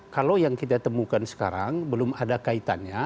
kalau yang kita temukan sekarang belum ada kaitannya